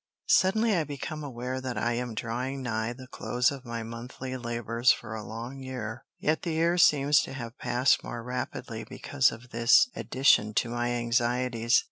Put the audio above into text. Suddenly I become aware that I am drawing nigh the close of my monthly labors for a long year. Yet the year seems to have passed more rapidly because of this addition to my anxieties.